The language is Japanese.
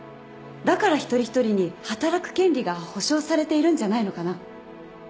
だから一人一人に働く権利が保障されているんじゃないのかな。